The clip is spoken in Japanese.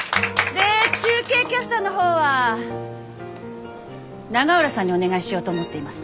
で中継キャスターの方は永浦さんにお願いしようと思っています。